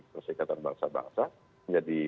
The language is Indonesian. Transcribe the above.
persyaratan bangsa bangsa menjadi